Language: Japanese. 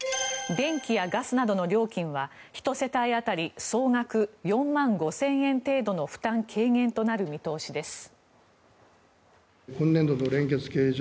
電気やガスなどの料金は１世帯当たり総額４万５０００円程度の負担軽減となる見通しです。